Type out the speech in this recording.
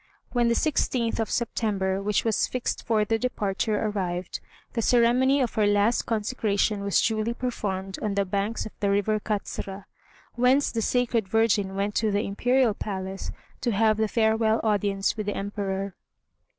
When the sixteenth of September, which was fixed for the departure, arrived, the ceremony of her last consecration was duly performed on the banks of the River Katzra, whence the sacred virgin went to the Imperial Palace to have the farewell audience with the Emperor.